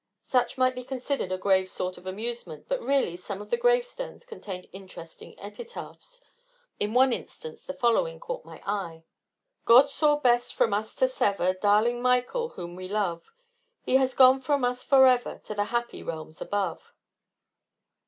Such might be considered a grave sort of amusement, but really some of the gravestones contained interesting epitaphs. In one instance the following caught my eye: "God saw best from us to sever Darling Michael, whom we love; He has gone from us forever, To the happy realms above."